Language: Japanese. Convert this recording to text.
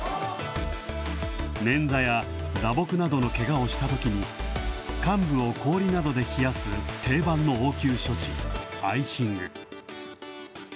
捻挫や打撲などのけがをしたときに、患部を氷などで冷やす定番の応急処置、アイシング。